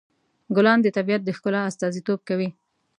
ګلان د طبیعت د ښکلا استازیتوب کوي.